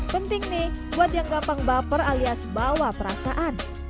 penting nih buat yang gampang baper alias bawa perasaan